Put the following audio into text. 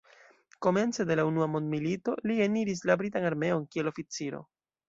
Komence de la unua mondmilito li eniris la britan armeon kiel oficiro.